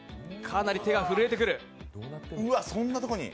かなり手が震えてくる。